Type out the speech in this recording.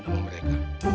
emosi banget sama mereka